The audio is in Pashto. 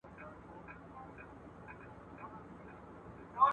انساني همکاري دوام غواړي.